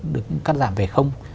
được cắt giảm về không